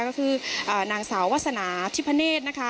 ก็คือนางสาววาสนาทิพเนธนะคะ